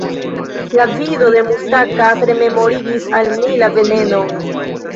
La vido de Mustakas rememorigis al mi la venenon.